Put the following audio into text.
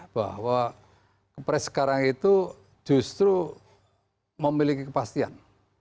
bahwa kepres sekarang itu justru memiliki kepastian